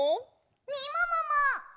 みももも！